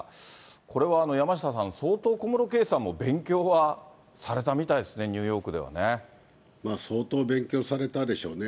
これは山下さん、相当、小室圭さんも勉強はされたみたいですね、相当勉強されたでしょうね。